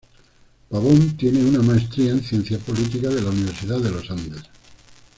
Pabón tiene una maestría en Ciencia Política de la Universidad de los Andes.